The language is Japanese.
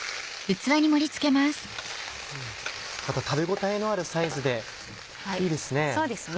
また食べ応えのあるサイズでいいですね。